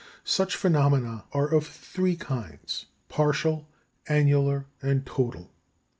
Such phenomena are of three kinds partial, annular, and total.